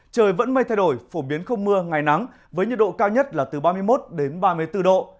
trời vẫn mây thay đổi phổ biến không mưa ngày nắng với nhiệt độ cao nhất là từ ba mươi một đến ba mươi bốn độ